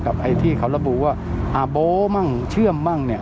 กับไอ้ที่เขาระบุว่าอาโบ้มั่งเชื่อมมั่ง